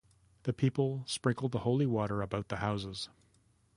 The people sprinkle the holy water about the houses.